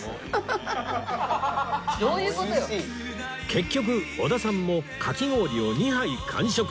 結局織田さんもかき氷を２杯完食